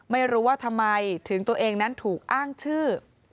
ไม่รู้ว่าทำไมถึงตัวเองนั้นถูกอ้างชื่อ